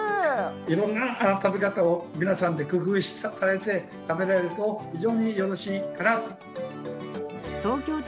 色んな食べ方を皆さんで工夫されて食べられると非常によろしいかなと。